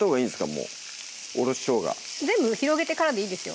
もうおろししょうが全部広げてからでいいですよ